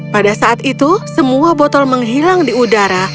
pada saat itu semua botol menghilang di udara